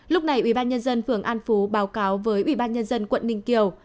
lúc này ubnd phường an phú báo cáo với ubnd quận ninh kiều